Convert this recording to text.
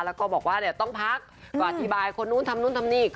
แล้วก็บอกว่าต้องพักก็อธิบายคนนู้นทำนู่นทำนี่